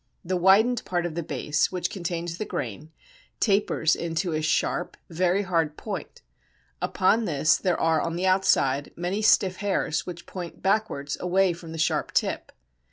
The widened part of the base, which contains the grain, tapers into a sharp, very hard point; upon this there are, on the outside, many stiff hairs, which point backwards away from the sharp tip.